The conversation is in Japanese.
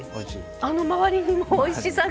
あまりにもおいしさが。